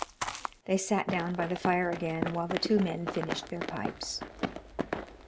They sat down by the fire again while the two men finished their pipes.